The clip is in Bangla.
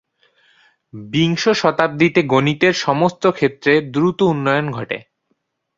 বিংশ শতাব্দীতে গণিতের সমস্ত ক্ষেত্রে দ্রুত উন্নয়ন ঘটে।